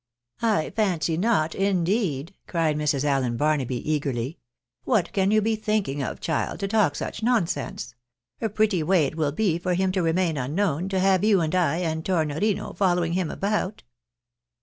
"I fancy not, indeed!" cried Mrs. Allen Barnaby, eagerly. " What can you be thinking off, child, to talk such nonsense ? A pretty way it will be for him to remain unknown, to have you, and I, and Tornorino following him about